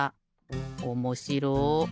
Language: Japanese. おもしろ。